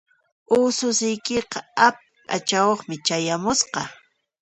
Ususiykiqa api p'achayuqmi chayamusqa.